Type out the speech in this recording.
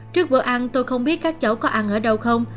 trước bữa ăn tôi không biết các cháu có ăn ở đâu không